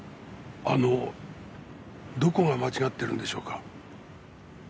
あのどこが間違ってるんでしょうか？